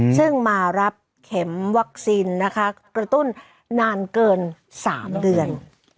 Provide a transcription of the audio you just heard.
ซึ่งมารับเข็มวัคซีนนะคะกระตุ้นนานเกิน๓เดือน